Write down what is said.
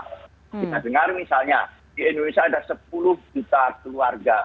kita dengar misalnya di indonesia ada sepuluh juta keluarga